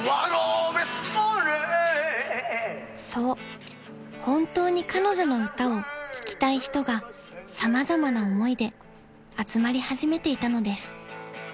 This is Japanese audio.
［そう本当に彼女の歌を聴きたい人が様々な思いで集まり始めていたのです］